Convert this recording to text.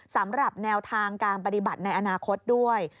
สำหรับแนวทางการปฏิบัติในอนาคตด้วย